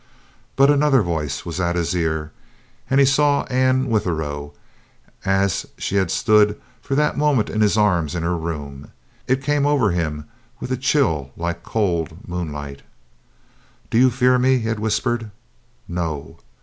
But another voice was at his ear, and he saw Anne Withero, as she had stood for that moment in his arms in her room. It came over him with a chill like cold moonlight. "Do you fear me?" he had whispered. "No."